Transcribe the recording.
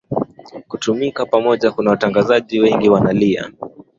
kutumika pamoja kuna watangazaji wengi wanalia